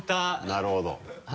なるほど。